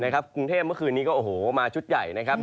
กรุงเทพเมื่อคืนนี้ก็โอ้โหมาชุดใหญ่นะครับ